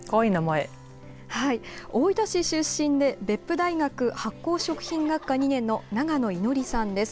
大分市出身で別府大学発酵食品学科２年の永野衣祝さんです。